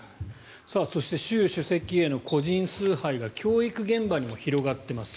そして習主席への個人崇拝が教育現場にも広がっています。